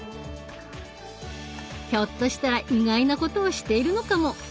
ひょっとしたら意外なことをしているのかも。